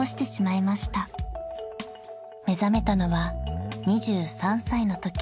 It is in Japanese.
［目覚めたのは２３歳のとき］